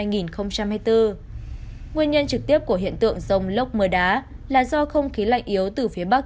nguyên nhân trực tiếp của hiện tượng dông lốc mưa đá là do không khí lạnh yếu từ phía bắc